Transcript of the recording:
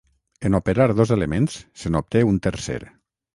En operar dos elements, se n’obté un tercer.